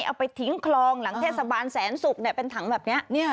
เอาไปทิ้งคลองหลังเทศบาลแสนศุกร์เป็นถังแบบนี้